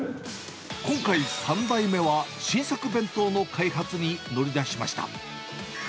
今回、３代目は新作弁当の開発に乗り出しました。